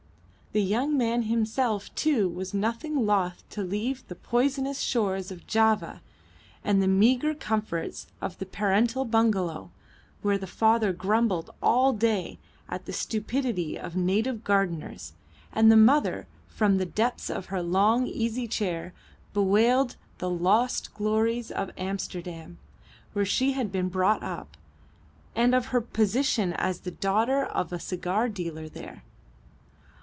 The young man himself too was nothing loth to leave the poisonous shores of Java, and the meagre comforts of the parental bungalow, where the father grumbled all day at the stupidity of native gardeners, and the mother from the depths of her long easy chair bewailed the lost glories of Amsterdam, where she had been brought up, and of her position as the daughter of a cigar dealer there.